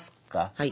はい。